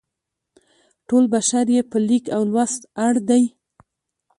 ټول بشر یې په لیک او لوست اړ دی.